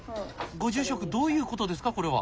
ご住職どういう事ですかこれは？